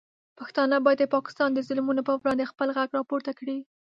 پښتانه باید د پاکستان د ظلمونو پر وړاندې خپل غږ راپورته کړي.